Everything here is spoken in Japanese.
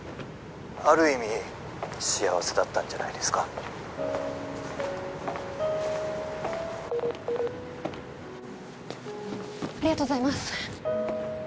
☎ある意味幸せだったんじゃないですかありがとうございます